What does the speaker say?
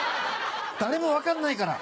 誰も分かんないから。